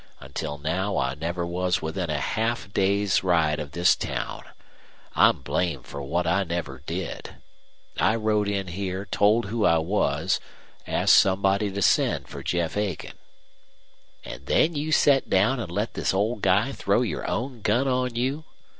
Until now I never was within half a day's ride of this town. I'm blamed for what I never did. I rode in here, told who I was, asked somebody to send for Jeff Aiken." "An' then you set down an' let this old guy throw your own gun on you?"